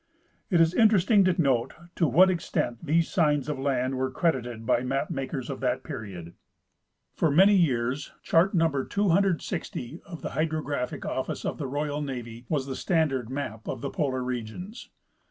It is interesting to note to what extent these signs of land were credited by map makers of that period. For many years Negative Evidence of the Maps. 81 chart number 260 of the hydrographic office of the royal navy was the standard map of the polar regions.